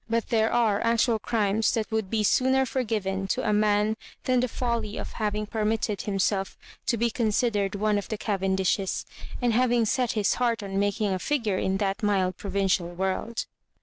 But there are ac tual crimes that would be sooner forgiven to a man than the folly of having permitted himself to be o(M)sidered one of the (^vendishes, and hay ing set his heart on making a figure in that mild provincial world.